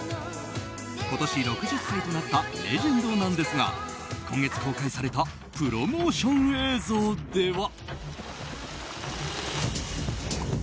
今年６０歳となったレジェンドなんですが今月、公開されたプロモーション映像では。